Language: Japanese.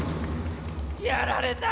やられた。